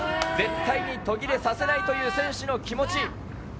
絶対に途切れさせないという選手の気持ち。